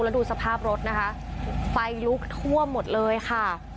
แล้วดูสภาพรถนะคะไฟลุกท่วมหมดเลยค่ะ